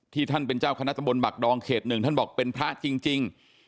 ท่านเป็นเจ้าคณะตะบนบักดองเขตหนึ่งท่านบอกเป็นพระจริง